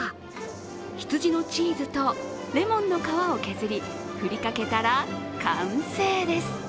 羊のチーズとレモンの皮を削り振りかけたら完成です。